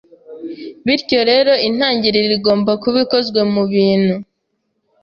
bityo rero intangiriro igomba kuba ikozwe mubintu